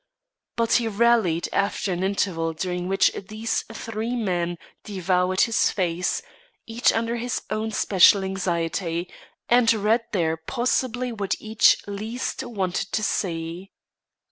But he rallied after an interval during which these three men devoured his face, each under his own special anxiety, and read there possibly what each least wanted to see.